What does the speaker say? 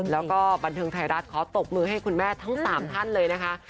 แล้วก็บันเทิงไทยรัฐขอตบมือให้คุณแม่ทั้ง๓ท่านเลยนะคะ